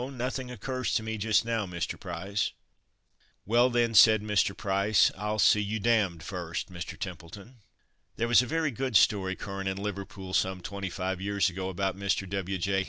nothing occurs to me just now, Mr. Price." "Well, then," said Mr. Price, "I'll see you d d first, Mr. Templeton." There was a very good story current in Liverpool, some twenty five years ago, about Mr. W. J.